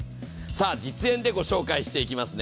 実演でご紹介していきますね。